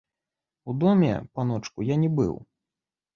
У доме, паночку, я не быў.